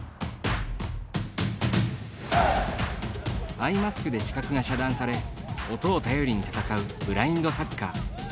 アイマスクで視覚が遮断され音を頼りに戦うブラインドサッカー。